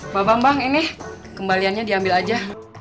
bapak mbak ini kembaliannya diambil aja